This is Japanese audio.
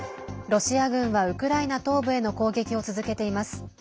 ロシア軍はウクライナ東部への攻撃を続けています。